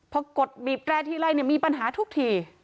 เพราะกดบีบแตรร์ที่ไร้มีปัญหาทุกที